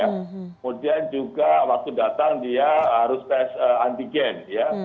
kemudian juga waktu datang dia harus tes antigen ya